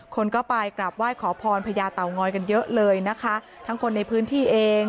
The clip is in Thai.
คนก็ไปกราบไหว้ขอพรพญาเตางอยกันเยอะเลยนะคะทั้งคนในพื้นที่เอง